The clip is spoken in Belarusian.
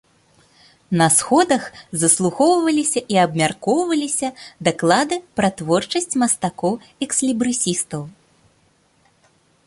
На сходах заслухоўваліся і абмяркоўваліся даклады пра творчасць мастакоў-экслібрысістаў.